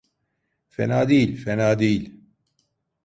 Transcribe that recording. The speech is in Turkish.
Fena değil, fena değil.